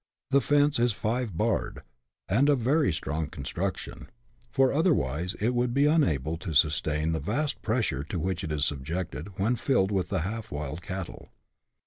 The fence is five barred, and of very strong construction, for otherwise it would be unable to sustain the vast pressure to which it is subjected when filled with the half wild cattle.